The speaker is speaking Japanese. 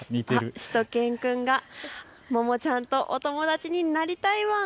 しゅと犬くんがももちゃんとお友達になりたいワン。